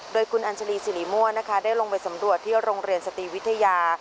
โดยคุณอัญชาลีสิริมั่วนะคะได้ลงไปสำรวจที่โรงเรียนสตรีวิทยา